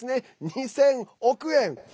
２０００億円！